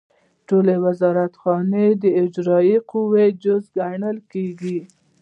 ټولې وزارتخانې د اجرائیه قوې جز ګڼل کیږي.